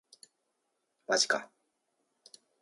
五条悟はしにます